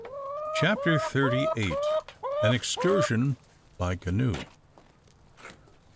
CHAPTER THIRTY EIGHT. AN EXCURSION BY CANOE.